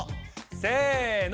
せの！